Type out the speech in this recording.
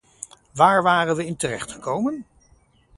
Waar waren we in terechtgekomen?